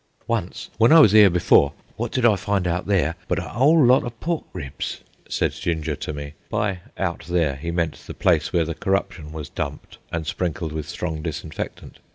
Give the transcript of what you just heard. "Once, w'en I was 'ere before, wot did I find out there but a 'ole lot of pork ribs," said Ginger to me. By "out there" he meant the place where the corruption was dumped and sprinkled with strong disinfectant.